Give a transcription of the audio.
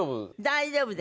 大丈夫です。